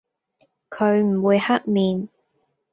佢唔會黑面